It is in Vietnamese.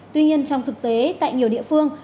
tuy nhiên trong thực tế tại nhiều địa phương